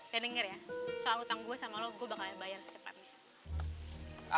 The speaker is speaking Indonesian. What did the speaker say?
dan denger ya soal hutang gue sama lo gue bakal bayar secepatnya